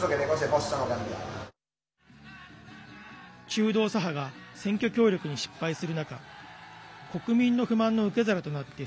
中道左派が選挙協力に失敗する中国民の不満の受け皿となって